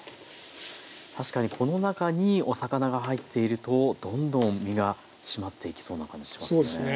確かにこの中にお魚が入っているとどんどん身が締まっていきそうな感じしますね。